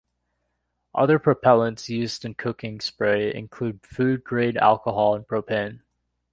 Other propellants used in cooking spray include food-grade alcohol and propane.